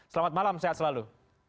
selamat malam sehat selalu